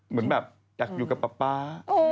เหมือนแบบอยากอยู่กับป๊าป๊า